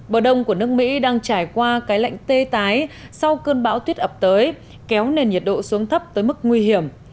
bờ đông của nước mỹ đang trải qua cái lạnh tê tái sau cơn bão tuyết ập tới kéo nền nhiệt độ xuống thấp tới mức nguy hiểm